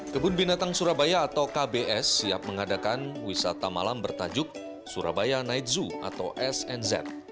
kebun binatang surabaya atau kbs siap mengadakan wisata malam bertajuk surabaya night zoo atau snz